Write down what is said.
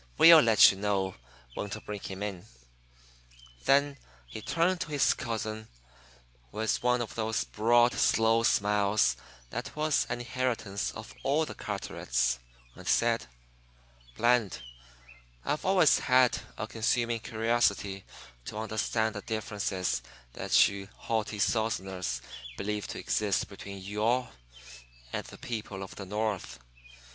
We'll let you know when to bring him in." Then he turned to his cousin with one of those broad, slow smiles that was an inheritance of all the Carterets, and said: "Bland, I've always had a consuming curiosity to understand the differences that you haughty Southerners believe to exist between 'you all' and the people of the North.